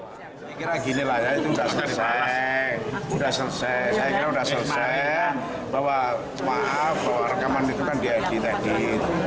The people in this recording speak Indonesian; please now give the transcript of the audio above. saya kira gini lah saya itu udah selesai saya kira udah selesai bahwa maaf bahwa rekaman itu kan diedit edit